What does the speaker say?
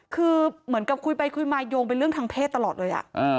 คือเหมือนกับคุยไปคุยมาโยงเป็นเรื่องทางเพศตลอดเลย